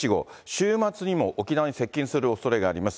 週末にも沖縄に接近するおそれがあります。